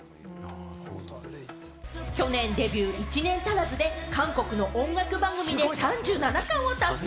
去年、デビュー１年足らずで韓国の音楽番組で３７冠を達成。